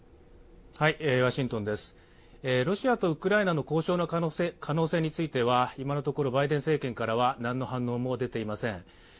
ロシアとウクライナの交渉の可能性については今のところバイデン政権からはなんの反応も出ていません。